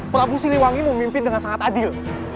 prabu siliwangi memimpin dengan sangat adil